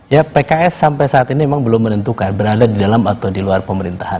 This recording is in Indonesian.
ya pks sampai saat ini memang belum menentukan berada di dalam atau di luar pemerintahan